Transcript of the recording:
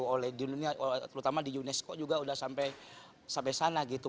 oleh di dunia terutama di unesco juga sudah sampai sana gitu